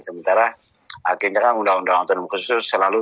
sementara akhirnya kan undang undang otonomo khusus selalu